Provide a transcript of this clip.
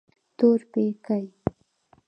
تورپيکۍ.